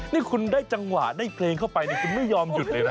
นี่คุณได้จังหวะได้เพลงเข้าไปคุณไม่ยอมหยุดเลยนะ